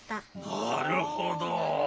なるほど。